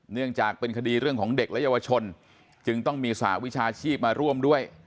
เนื่องจากเป็นคดีเรื่องของเด็กและเยาวชนจึงต้องมีสหวิชาชีพมาร่วมด้วย